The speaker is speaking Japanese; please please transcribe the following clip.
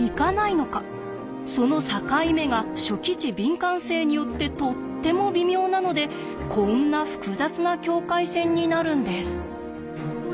その境目が初期値敏感性によってとっても微妙なのでこんな複雑な境界線になるんです。